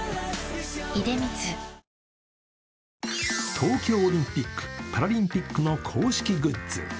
東京オリンピック・パラリンピックの公式グッズ。